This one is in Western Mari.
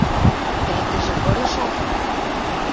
Вӓтӹжӹ пырышат